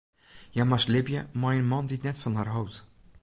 Hja moast libje mei in man dy't net fan har hold.